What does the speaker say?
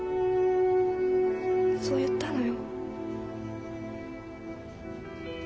そう言ったのよ。